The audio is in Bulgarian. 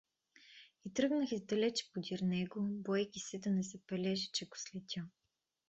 И тръгнах издалече подир него, боейки се да не забележи, че го следя.